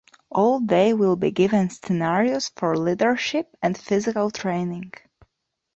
And they will be given Scenarios for leadership and physical training.